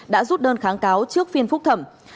đã rút đơn kháng cáo trước phiên phúc thẩm